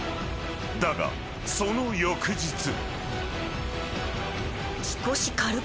［だがその翌日］